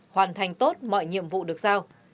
hoàn thành tốt mọi nhiệm vụ được sao